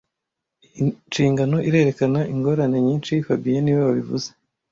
Iyi nshingano irerekana ingorane nyinshi fabien niwe wabivuze